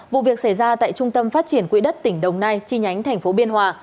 vụ việc xảy ra tại trung tâm phát triển quỹ đất tỉnh đồng nai chi nhánh tp biên hòa